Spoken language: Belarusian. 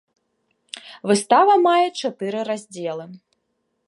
Выстава мае чатыры раздзелы.